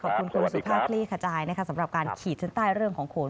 ขอบคุณคุณสุภาพคลี่ขจายนะคะสำหรับการขีดชั้นใต้เรื่องของโขน